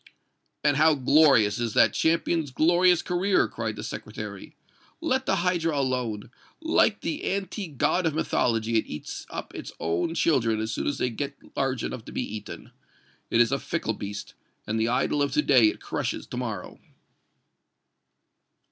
"And how glorious is that champion's glorious career!" cried the Secretary. "Let the hydra alone. Like the antique god of mythology, it eats up its own children as soon as they get large enough to be eaten. It is a fickle beast, and the idol of to day it crushes to morrow."